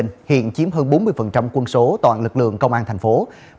hiện chiếm hơn bốn mươi quân số toàn lực lượng công an tp hcm